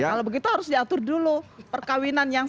kalau begitu harus diatur dulu perkawinan yang